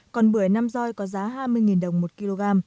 còn bưởi nam roi có giá hai mươi đồng một kg